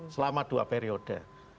selama dua periode